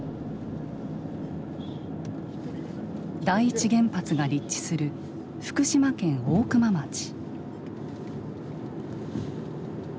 第一原発が立地する福島県大熊町。